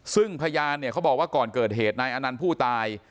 ซึ่งพยานเนี่ยเขาบอกว่าก่อนเกิดเหตุนายอนันต์ผู้ตาย